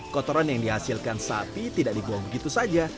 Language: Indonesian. kotoran yang dihasilkan sapi tidak dibuang begitu saja